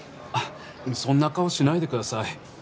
そんな顔しないでください。